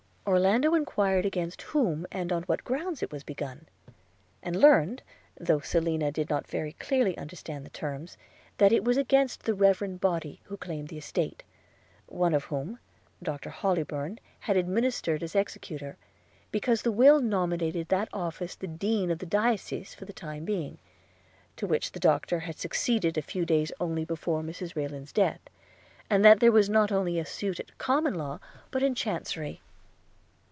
Orlando enquired against whom, and on what grounds it was begun? – and learned, though Selina did not very clearly understand the terms, that it was against the reverend body who claimed the estate, one of whom (Doctor Hollybourn) had administered as executor; because the will nominated to that office the dean of the diocese for the time being, to which the doctor had succeeded a few days only before Mrs Rayland's death; and that there was not only a suit at common law, but in chancery.